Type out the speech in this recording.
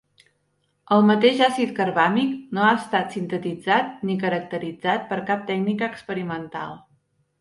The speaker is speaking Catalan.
El mateix àcid carbàmic no ha estat sintetitzat ni caracteritzat per cap tècnica experimental.